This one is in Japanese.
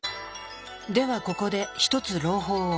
ではここで一つ朗報を。